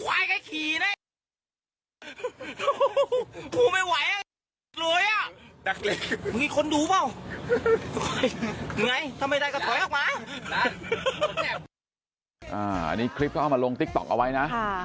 อันนี้คลิปเขาเอามาลงติ๊กต๊อกเอาไว้นะ